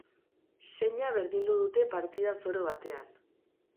Seina berdindu dute partida zoro batean.